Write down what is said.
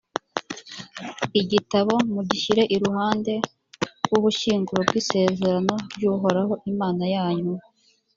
igitabo mugishyire iruhande rw’ubushyinguro bw’isezerano ry’uhoraho imana yanyu;